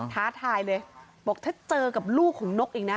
ท้าทายเลยบอกถ้าเจอกับลูกของนกอีกนะ